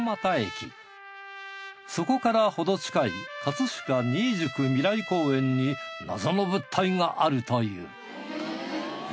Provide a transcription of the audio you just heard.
そこから程近い葛飾にいじゅくみらい公園に謎の物体があるという。